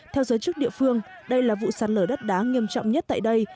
theo giới chức địa phương đây là vụ sạt lở đất đá nghiêm trọng nhất tại đây